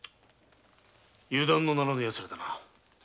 油断のならぬヤツらだな。